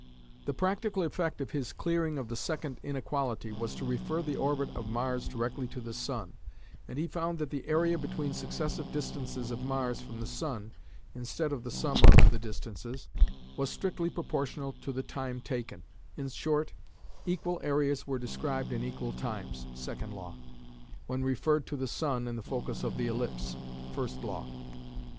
The practical effect of his clearing of the "second inequality" was to refer the orbit of Mars directly to the sun, and he found that the area between successive distances of Mars from the sun (instead of the sum of the distances) was strictly proportional to the time taken, in short, equal areas were described in equal times (2nd Law) when referred to the sun in the focus of the ellipse (1st Law).